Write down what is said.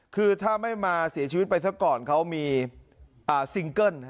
คือถ้าไม่มาเสียชีวิตไปซะก่อนเขามีซิงเกิ้ล